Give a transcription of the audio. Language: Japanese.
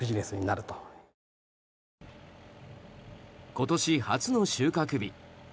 今年初の収穫日。